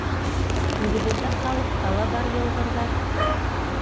Үҙебеҙҙең халыҡта ла бар йылғырҙар.